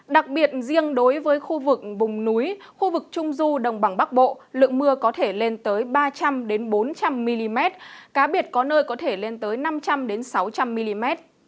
đặc biệt riêng đối với khu vực vùng núi khu vực trung du đồng bằng bắc bộ lượng mưa có thể lên tới ba trăm linh bốn trăm linh mm cá biệt có nơi có thể lên tới năm trăm linh sáu trăm linh mm